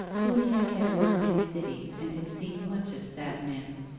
Uniacke had worked in cities and had seen much of sad men.